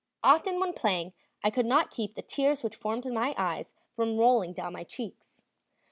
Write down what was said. Often when playing I could not keep the tears which formed in my eyes from rolling down my cheeks.